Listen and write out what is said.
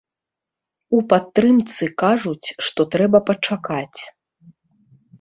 У падтрымцы кажуць, што трэба пачакаць.